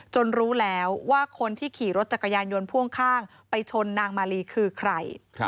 รู้แล้วว่าคนที่ขี่รถจักรยานยนต์พ่วงข้างไปชนนางมาลีคือใคร